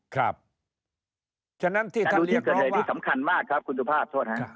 การดูที่เกิดเหตุที่สำคัญมากครับกุฎภาพ